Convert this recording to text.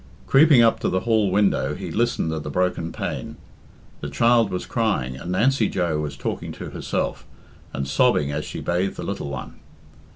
Creeping up to the hall window, he listened at the broken pane. The child was crying, and Nancy Joe was talking to herself, and sobbing as she bathed the little one.